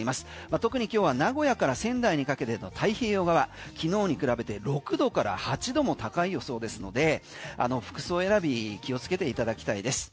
特に今日は名古屋から仙台にかけての太平洋側昨日に比べて６度から８度も高い予想ですので服装選び気をつけていただきたいです。